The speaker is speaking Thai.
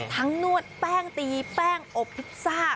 นวดแป้งตีแป้งอบพิซซ่า